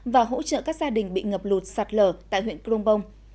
và hỗ trợ các gia đình bị ngập lụt sạt lở tại huyện cronbong